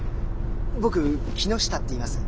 僕木下っていいます。